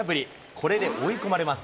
これで追い込まれます。